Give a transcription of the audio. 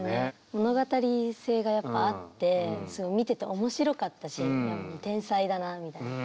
物語性がやっぱあってすごい見てて面白かったしいやもう天才だなみたいな。